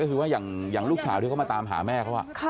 ก็คือว่าอย่างลูกสาวที่เขามาตามหาแม่เขา